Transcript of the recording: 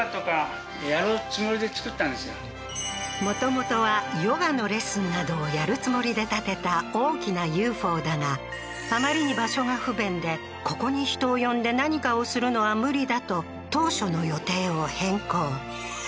もともとはヨガのレッスンなどをやるつもりで建てた大きなＵＦＯだがあまりに場所が不便でここに人を呼んで何かをするのは無理だと当初の予定を変更